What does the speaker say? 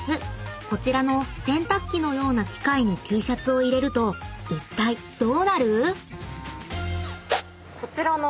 こちらの洗濯機のような機械にＴシャツを入れるといったいどうなる⁉］